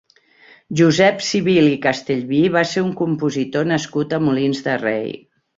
Josep Civil i Castellví va ser un compositor nascut a Molins de Rei.